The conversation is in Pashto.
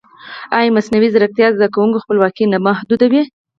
ایا مصنوعي ځیرکتیا د زده کوونکي خپلواکي نه محدودوي؟